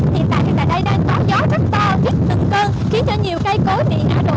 hiện tại đây đang có gió rất to viết từng cơn khiến cho nhiều cây cối bị ngã đổ